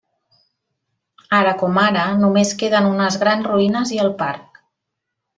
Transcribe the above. Ara com ara només queden unes grans ruïnes i el parc.